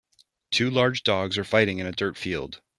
Two large dogs are fighting in a dirt field.